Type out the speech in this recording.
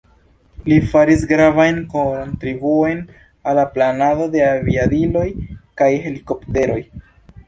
Li faris gravajn kontribuojn al la planado de aviadiloj kaj helikopteroj.